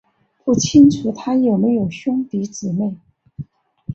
不清楚他有没有兄弟姊妹。